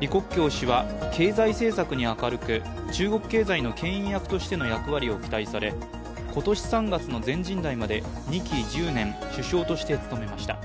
李克強氏は経済政策に明るく、中国経済のけん引役との役割を期待され、今年３月の全人代まで２期１０年、首相として務めました。